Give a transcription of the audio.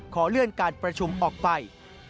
ขอเลื่อนการประชุมออกไป